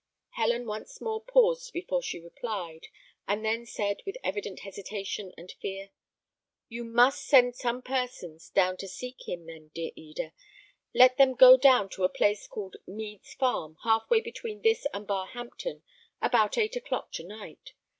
Helen once more paused before she replied, and then said, with evident hesitation and fear: "You must send some persons down to seek him, then, dear Eda. Let them go down to a place called Mead's Farm, half way between this and Barhampton, about eight o'clock tonight.